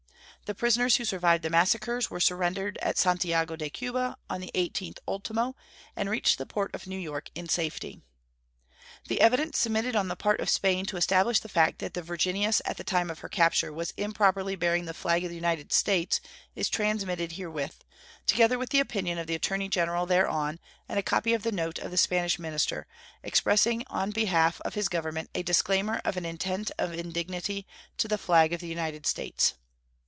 The prisoners who survived the massacres were surrendered at Santiago de Cuba on the 18th ultimo, and reached the port of New York in safety. The evidence submitted on the part of Spain to establish the fact that the Virginius at the time of her capture was improperly bearing the flag of the United States is transmitted herewith, together with the opinion of the Attorney General thereon and a copy of the note of the Spanish minister, expressing on behalf of his Government a disclaimer of an intent of indignity to the flag of the United States.